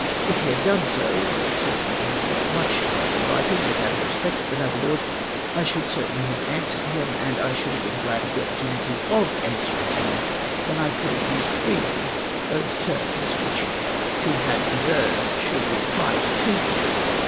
If he had done so, I certainly have not much time for writing, but out of respect for the noble lord, I should certainly have answered him, and I shoidd have been glad of the opportunity of answering him when I could have used freely those terms which he had de served should be applied to him.